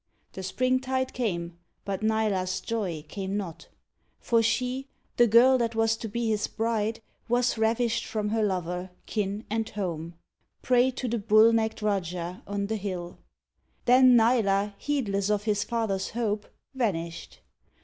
The springtide came, but Nila's joy came not, For she, the girl that was to be his bride, Was ravished from her lover, kin and home — Prey to the bull necked Rajah on the hill. Then Nila, heedless of his father's hope. Vanished.